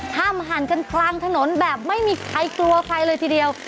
ห้ามหันกันกลางถนนแบบไม่มีใครกลัวใครเลยทีเดียว